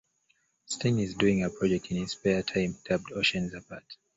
Stickney is doing a project in his spare time dubbed 'Oceans Apart'